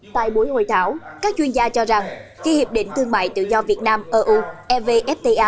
tại buổi hội thảo các chuyên gia cho rằng khi hiệp định thương mại tự do việt nam eu evfta